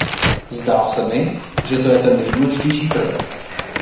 Zdá se mi, že to je ten nejdůležitější prvek.